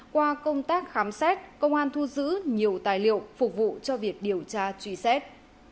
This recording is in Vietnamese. qua công tác khám xét công an thu giữ nhiều tài liệu phục vụ cho việc điều tra truy xét